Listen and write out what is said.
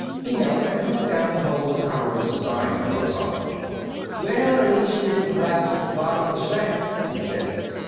He knelt and looked down the hole the cover was designed to close off. "Well, at least she didn't collapse at the bottom of the shaft," he said.